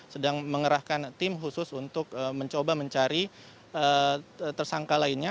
sedang mengerahkan tim khusus untuk mencoba mencari tersangka lainnya